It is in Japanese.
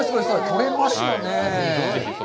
取れましたね。